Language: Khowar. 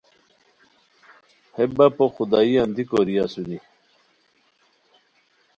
ہے بپو خدائیان دی کوری اسونی